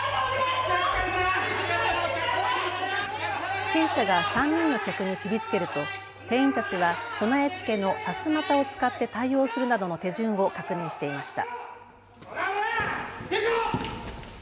不審者が３人の客に切りつけると店員たちは備え付けのさすまたを使って対応するなどの手順を確認していました。